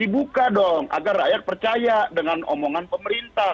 dibuka dong agar rakyat percaya dengan omongan pemerintah